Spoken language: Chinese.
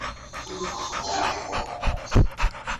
洪德尔多尔夫是德国巴伐利亚州的一个市镇。